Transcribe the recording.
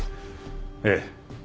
ええ。